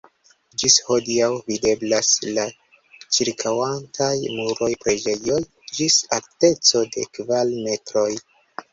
Ĝis hodiaŭ videblas la ĉirkaŭantaj muroj preĝejoj (ĝis alteco de kvar metroj).